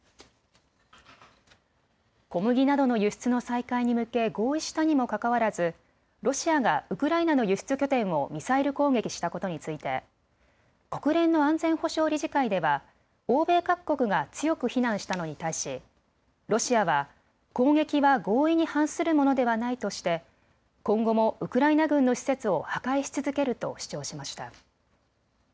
小麦などの輸出の再開に向け合意したにもかかわらずロシアがウクライナの輸出拠点をミサイル攻撃したことについて国連の安全保障理事会では欧米各国が強く非難したのに対しロシアは攻撃は合意に反するものではないとして今後もウクライナ軍の施設を破壊し続けると主張しました。